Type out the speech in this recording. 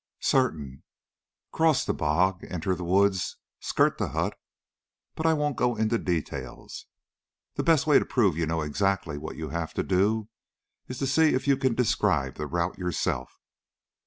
"Certain." "Cross the bog, enter the woods, skirt the hut but I won't go into details. The best way to prove you know exactly what you have to do is to see if you can describe the route yourself.